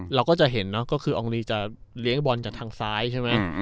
เราก็จะเห็นเนอะก็คืออองลีจะเลี้ยงบอลจากทางซ้ายใช่ไหม